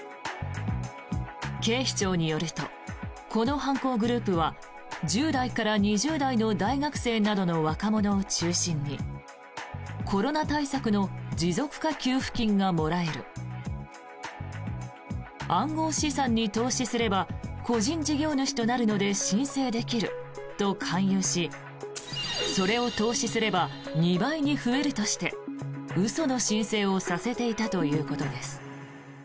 警視庁によるとこの犯行グループは１０代から２０代の大学生などの若者を中心にコロナ対策の持続化給付金がもらえる暗号資産に投資すれば個人事業主となるので申請できると勧誘しそれを投資すれば２倍に増えるとして、嘘の申請をさせていたということです。